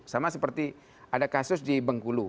sama seperti ada kasus di bengkulu